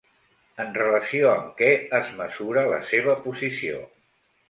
En relació amb què es mesura la seva posició?